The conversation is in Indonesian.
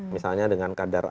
misalnya dengan kadar